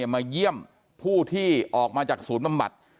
มาเยี่ยมผู้ที่ออกมาจากศูนย์บำบัด